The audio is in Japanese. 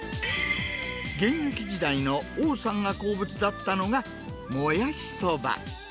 現役時代の王さんが好物だったのが、もやしそば。